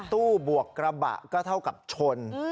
บวกกระบะก็เท่ากับชน